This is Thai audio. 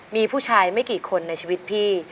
มีผู้ชายไม่กี่คนในชีวิตพี่